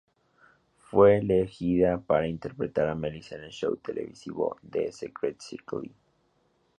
Fue elegida para interpretar a Melissa en el show televisivo "The Secret Circle".